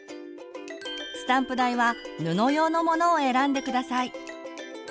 スタンプ台は布用のものを選んで下さい。